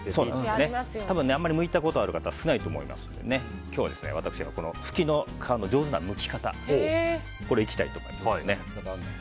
あまりむいたことある方少ないと思いますので今日は私がフキの皮の上手なむき方いきたいと思います。